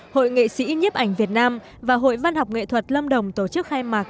hội nghệ sĩ nhiếp ảnh việt nam và hội văn học nghệ thuật lâm đồng tổ chức khai mạc